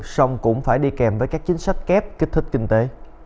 song cũng phải đi kèm với các chính sách kép kích thích kinh tế